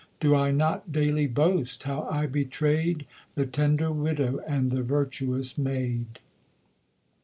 Do I not daily boast how I betrayed The tender widow and the virtuous maid?"